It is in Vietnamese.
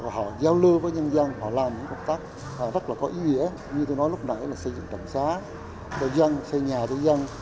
họ giao lưu với nhân dân họ làm những công tác rất là có ý nghĩa như tôi nói lúc nãy là xây dựng trạm xá xây nhà cho nhân dân